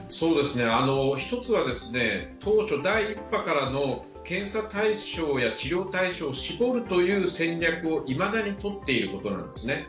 １つは当初、第１波からの検査対象や治療対象を絞るという戦略をいまだにとっていることですね。